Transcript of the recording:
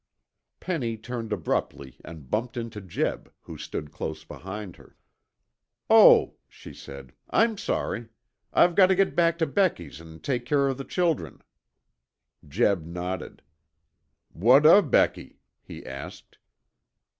Penny turned abruptly and bumped into Jeb, who stood close behind her. "Oh," she said, "I'm sorry. I've got to get back to Becky's and take care of the children." Jeb nodded. "What o' Becky?" he asked.